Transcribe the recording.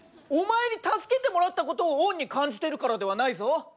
お前に助けてもらったことを恩に感じてるからではないぞ。